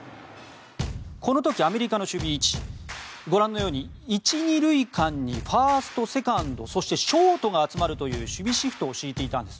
この時、アメリカの守備位置ご覧のように１・２塁間にファースト、セカンドそして、ショートが集まるという守備シフトを敷いていたんです。